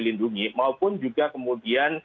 lindungi maupun juga kemudian